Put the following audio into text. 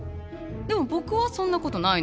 でも僕はそんなことないのよね？